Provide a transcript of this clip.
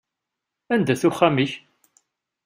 Anda-t uxxam-ik?